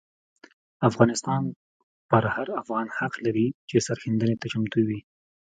افغانستان پر هر افغان حق لري چې سرښندنې ته چمتو وي.